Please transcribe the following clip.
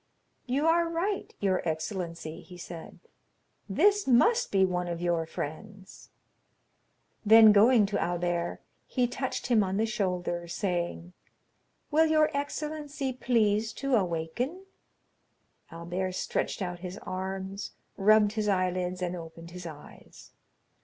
"You are right, your excellency," he said; "this must be one of your friends." Then going to Albert, he touched him on the shoulder, saying, "Will your excellency please to awaken?" Albert stretched out his arms, rubbed his eyelids, and opened his eyes.